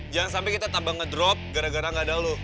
jangan sampai kita tambah ngedrop gara gara gak ada lu